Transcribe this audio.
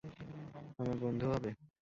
আমার বন্ধু হবে?